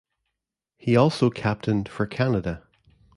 He also captained for Canada.